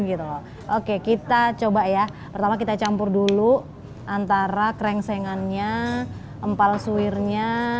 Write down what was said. gitu oke kita coba ya pertama kita campur dulu antara krengsengan nya empal suwirnya